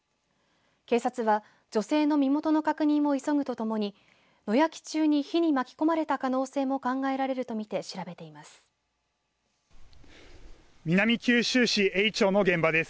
警察は女性の身元の確認を急ぐとともに野焼き中に火に巻き込まれた可能性も考えられるとみて調べています。